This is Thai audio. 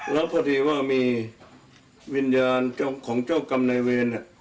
แล้วพอดีว่ามีวิญญาณของเจ้ากรรมนายเวร